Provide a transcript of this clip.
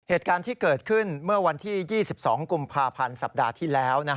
เหตุการณ์ที่เกิดขึ้นเมื่อวันที่๒๒กุมภาพันธ์สัปดาห์ที่แล้ว